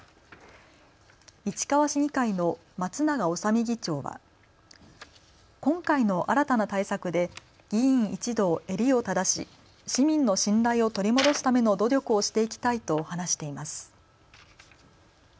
市川市議会の松永修巳議長は今回の新たな対策で議員一同、襟を正し市民の信頼を取り戻すための努力をしていきたいと話しています。